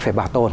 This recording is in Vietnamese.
phải bảo tồn